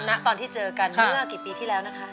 ณตอนที่เจอกันเมื่อกี่ปีที่แล้วนะคะ